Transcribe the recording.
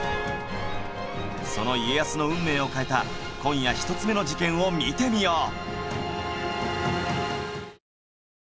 その家康の運命を変えた今夜１つ目の事件を見てみよう